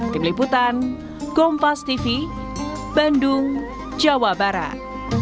tim liputan kompas tv bandung jawa barat